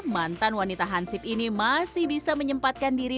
mantan wanita hansip ini masih bisa menyempatkan diri